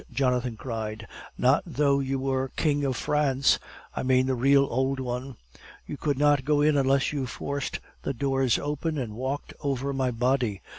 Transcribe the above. Jonathan cried. "Not though you were King of France I mean the real old one. You could not go in unless you forced the doors open and walked over my body.